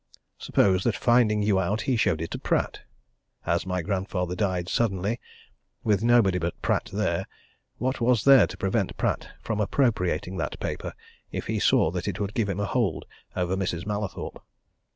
Suppose that finding you out, he showed it to Pratt? As my grandfather died suddenly, with nobody but Pratt there, what was there to prevent Pratt from appropriating that paper if he saw that it would give him a hold over Mrs. Mallathorpe?